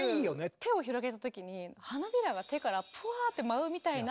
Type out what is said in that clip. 手を広げたときに花びらが手からプワって舞うみたいな。